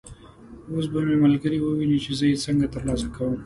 اوس به مې ملګري وویني چې زه یې څنګه تر لاسه کوم.